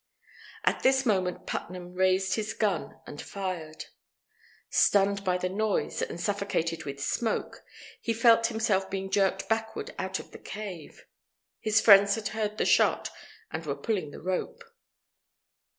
At this moment Putnam raised his gun and fired. Stunned by the noise and suffocated with smoke, he felt himself being jerked backward out of the cave. His friends had heard the shot, and were pulling the rope.